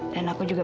dan aku juga denger